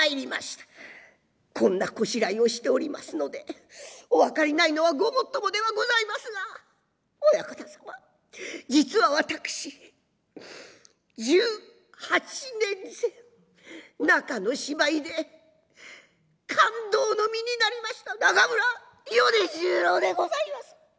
「こんなこしらえをしておりますのでお分かりないのはごもっともではございますが親方様実は私１８年前中の芝居で勘当の身になりました中村米十郎でございます」。